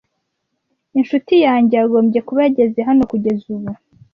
Inshuti yanjye yagombye kuba yageze hano kugeza ubu.